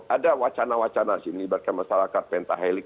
ada wacana wacana sih melibatkan masyarakat pentahelik